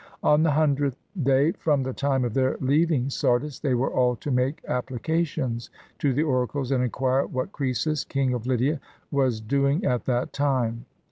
On the hundredth day from the time of their leaving Sardis, they were all to make appli cations to the oracles, and inquire what Croesus, King of Lydia, was doing at that time.